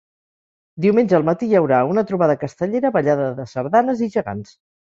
Diumenge al matí hi haurà una trobada castellera, ballada de sardanes i gegants.